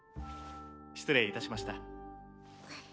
失礼いたしました。